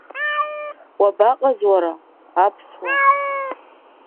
Уабаҟаз уара, аԥсуа?